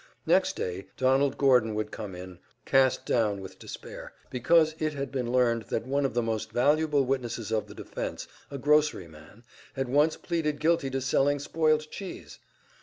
Next day Donald Gordon would come in, cast down with despair, because it had been learned that one of the most valuable witnesses of the defense, a groceryman, had once pleaded guilty to selling spoilt cheese!